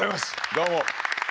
どうも。